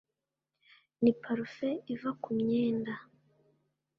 Ni parufe iva kumyenda